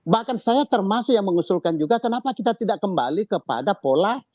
bahkan saya termasuk yang mengusulkan juga kenapa kita tidak kembali kepada pola